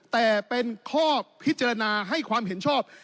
แต่เป็นข้อพิจารณาให้ความเห็นชอบ